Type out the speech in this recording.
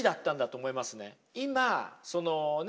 今そのね